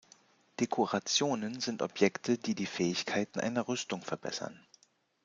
Dekorationen sind Objekte, die die Fähigkeiten einer Rüstung verbessern.